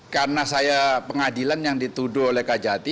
karena saya pengadilan yang dituduh oleh kejati